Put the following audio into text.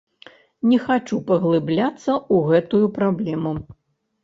Не хачу паглыбляцца ў гэтую праблему.